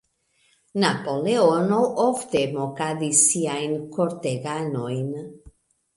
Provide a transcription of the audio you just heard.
Napoleono ofte mokadis siajn korteganojn.